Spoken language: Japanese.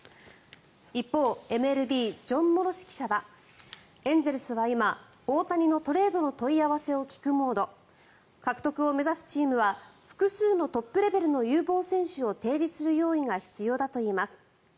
一方、ＭＬＢジョン・モロシ記者はエンゼルスは今大谷のトレードの問い合わせを聞くモード獲得を目指すチームは複数のトップレベルの有望選手を提示する用意が必要だといいます。